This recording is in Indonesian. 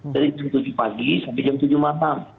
dari jam tujuh pagi sampai jam tujuh malam